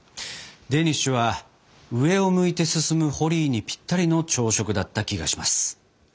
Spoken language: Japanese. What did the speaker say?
デニッシュは上を向いて進むホリーにぴったりの朝食だった気がします。